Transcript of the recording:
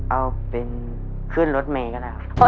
เอาเป็นขึ้นรถเมย์ก็ได้ครับ